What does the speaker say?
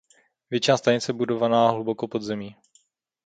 Většina stanic je budovaná hluboko pod zemí.